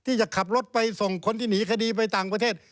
ที่จะขับรถไปส่งคนที่หนีคดีไปต่างประเทศ